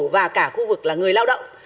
và cả khu vực là người lao động